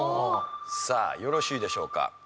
さあよろしいでしょうか？